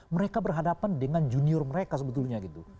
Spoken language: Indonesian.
mereka berhadapan dengan junior mereka sebetulnya gitu